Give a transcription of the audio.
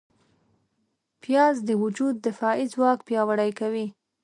پیاز د وجود دفاعي ځواک پیاوړی کوي